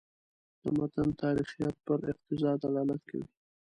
د متن تاریخیت پر اقتضا دلالت کوي.